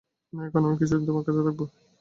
না, এখন আমি কিছুদিন তোমার কাছে থাকব।